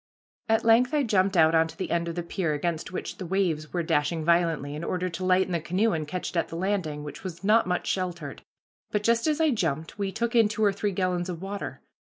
At length I jumped out onto the end of the pier against which the waves were dashing violently, in order to lighten the canoe and catch it at the landing, which was not much sheltered, but just as I jumped we took in two or three gallons of water.